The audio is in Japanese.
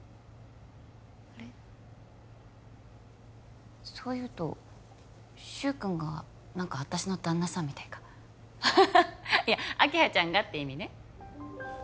あれそう言うと柊くんが何か私の旦那さんみたいかハハハいや明葉ちゃんがって意味ね